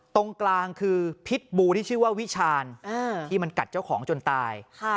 ตรงกลางคือพิษบูที่ชื่อว่าวิชาญที่มันกัดเจ้าของจนตาย